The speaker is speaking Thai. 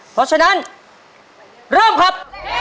เพราะฉะนั้นเริ่มครับ